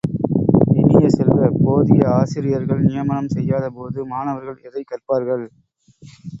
இனிய செல்வ, போதிய ஆசிரியர்கள் நியமனம் செய்யாத போது மாணவர்கள் எதைக் கற்பார்கள்?